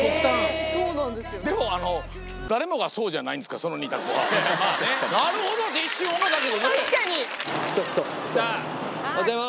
でも、あの誰もがそうじゃないんですか、まあね。